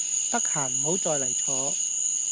得閒唔好再嚟坐